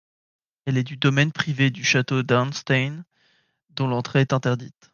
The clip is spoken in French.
Elle est du domaine privé du château d'Arnstein dont l'entrée est interdite.